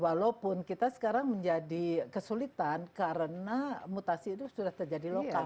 walaupun kita sekarang menjadi kesulitan karena mutasi itu sudah terjadi lokal